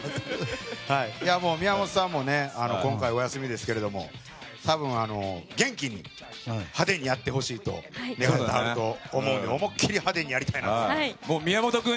宮本さんも今回お休みですけど元気に派手にやってほしいと思ってると思うので思い切り派手にやりたいと思います。